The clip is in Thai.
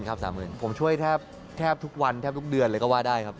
๓๐๐๐ผมช่วยแทบทุกวันแทบทุกเดือนเลยก็ว่าได้ครับ